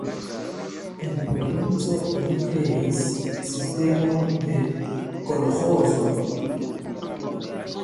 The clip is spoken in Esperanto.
En provinco oni kreis sistemon de kolĥozoj.